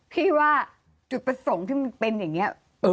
พี่ว่าจุดประสงค์ที่มันเป็นอย่างนี้